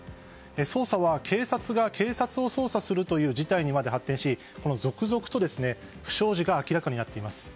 捜査は警察が警察を捜査するという事態にまで発展し続々と不祥事が明らかになっています。